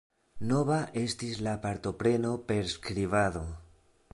Nova estis la partopreno per skribado.